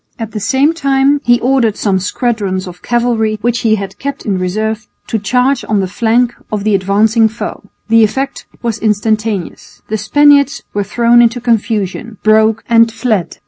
At the same time he ordered some squadrons of cavalry which he had kept in reserve to charge on the flank of the advancing foe. The effect was instantaneous. The Spaniards were thrown into confusion, broke and fled.